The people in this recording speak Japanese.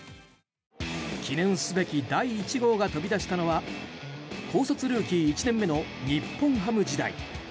記念すべき第１号が飛び出したのは高卒ルーキー１年目の日本ハム時代。